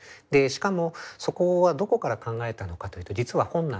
しかもそこはどこから考えたのかというと実は本なんです。